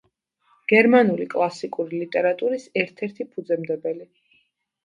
გერმანული კლასიკური ლიტერატურის ერთ-ერთი ფუძემდებელი.